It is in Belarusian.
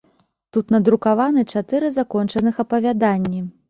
Тут надрукаваны чатыры закончаных апавяданні.